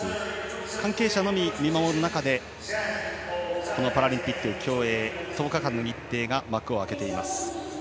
関係者のみ見守る中でパラリンピック競泳１０日間の日程が幕を開けています。